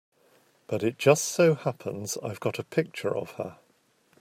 But it just so happens I've got a picture of her.